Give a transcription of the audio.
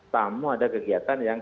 tamu ada kegiatan yang